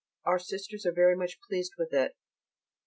Our Sisters are very much pleased with it.